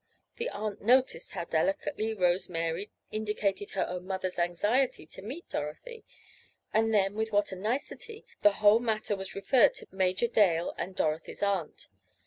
The aunt noticed how delicately Rose Mary indicated her own mother's anxiety to meet Dorothy, and then with what a nicety the whole matter was referred to Major Dale and Dorothy's aunt.